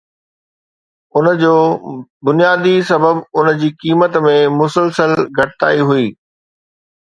ان جو بنيادي سبب ان جي قيمت ۾ مسلسل گهٽتائي هئي